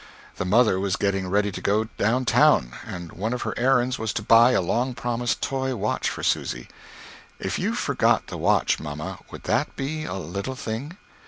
The mother was getting ready to go down town, and one of her errands was to buy a long promised toy watch for Susy. "If you forgot the watch, mamma, would that be a little thing?"